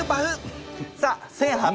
さあ